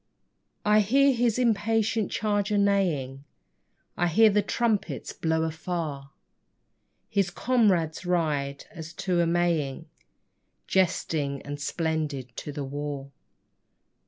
I hear his impatient charger neighing, I hear the trumpets blow afar 1 His comrades ride, as to a Maying, Jesting and splendid to the war.